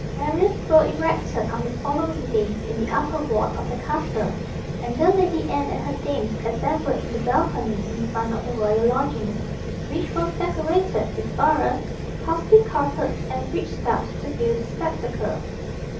Barriers were erected on the following day in the upper ward of the castle, and the Lady Anne and her dames assembled in the balcony in front of the royal lodgings, which was decorated with arras, costly carpets, and rich stuffs, to view the spectacle.